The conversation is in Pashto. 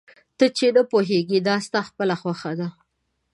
ته چي نه پوهېږې دا ستا خپله ستونزه ده.